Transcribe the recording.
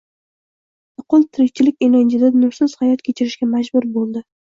nuqul tirikchilik ilinjida nursiz hayot kechirishga majbur bo‘ldi.